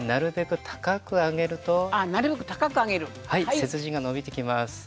背筋が伸びてきます。